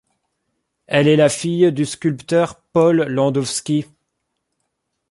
Elle est la fille du sculpteur Paul Landowski.